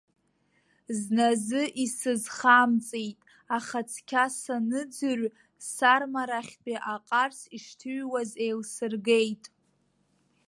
Зназы исызхамҵеит, аха цқьа саныӡырҩ, сармарахьтәи аҟарс ишҭыҩуаз еилсыргеит.